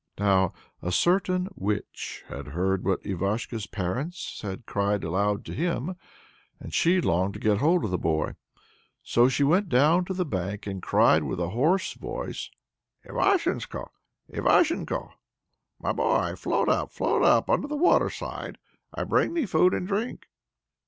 Now a certain witch had heard what Ivashko's parents had cried aloud to him, and she longed to get hold of the boy. So she went down to the bank and cried with a hoarse voice: Ivashechko, Ivashechko, my boy, Float up, float up, unto the waterside; I bring thee food and drink.